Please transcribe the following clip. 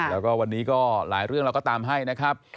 แล้วก็วันนี้ก็หลายเรื่องเราก็ตามให้นะครับ